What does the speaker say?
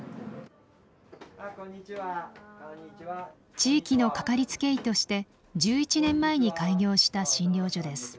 地域のかかりつけ医として１１年前に開業した診療所です。